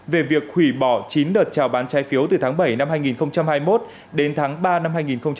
về việc hủy bỏ chín đợt trào bán trái phiếu từ tháng bảy năm hai nghìn hai mươi một đến tháng ba năm hai nghìn hai mươi